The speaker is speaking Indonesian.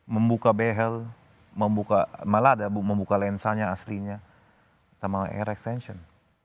membuka behel membuka malah ada membuka lensanya aslinya sama air extension